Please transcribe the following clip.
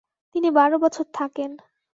তিনি বারো বছর থাকেন।